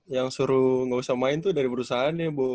yang suruh gak usah main tuh dari perusahaannya bo